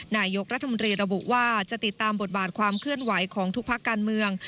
นายกรัฐมนตรีระบุว่าจะติดตามบทบาทความเคลื่อนไหวของทุกภาคการเมือง